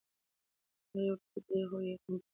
له هغې وروسته د ډېرو خلکو یقین په کورس پوخ شو.